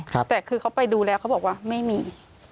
แต่คือเขาไปดูแลเขาบอกว่าไม่มี